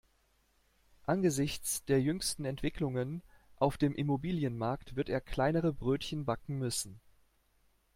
Angesichts der jüngsten Entwicklungen auf dem Immobilienmarkt wird er kleinere Brötchen backen müssen.